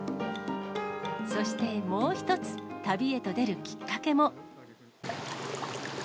そしてもう一つ、旅へと出るきっかけも。